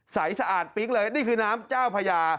สะอาดปิ๊งเลยนี่คือน้ำเจ้าพญา